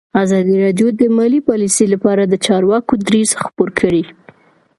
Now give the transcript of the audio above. ازادي راډیو د مالي پالیسي لپاره د چارواکو دریځ خپور کړی.